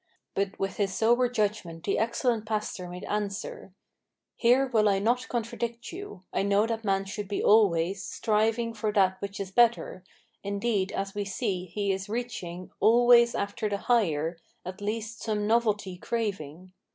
But with his sober judgment the excellent pastor made answer: "Here will I not contradict you. I know that man should be always Striving for that which is better; indeed, as we see, he is reaching Always after the higher, at least some novelty craving.